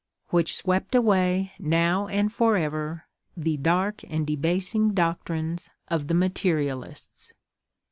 which swept away now and for ever the dark and debasing doctrines of the materialists."